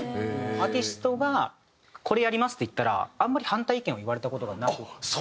アーティストが「これやります」って言ったらあんまり反対意見を言われた事がなくって。